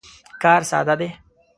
کار ساده دی.